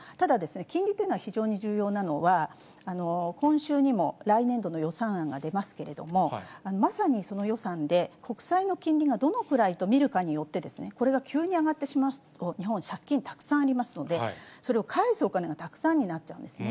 金利というのは非常に重要なのは、今週にも来年度の予算案が出ますけれども、まさにその予算で、国債の金利がどのくらいと見るかによって、これが急に上がってしまうと、日本、借金たくさんありますので、それを返すお金がたくさんになっちゃうんですね。